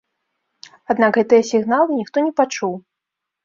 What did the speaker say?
Аднак гэтыя сігналы ніхто не пачуў.